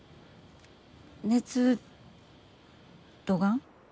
熱どがん？